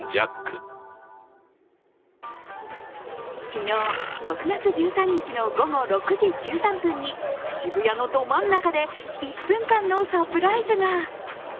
昨日６月１３日の午後６時１３分に、渋谷のど真ん中で１分間のサプライズが。